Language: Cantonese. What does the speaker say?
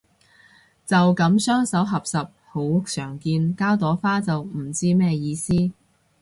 就噉雙手合十好常見，加朵花就唔知咩意思